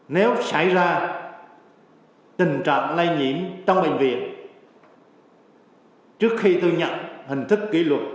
nếu xảy ra tình trạng lây nhiễm trong bệnh viện trước khi tôi nhận hình thức kỷ luật